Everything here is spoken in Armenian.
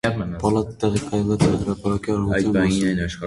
Պալատը տեղակայված է հրապարակի արևմտյան մասում։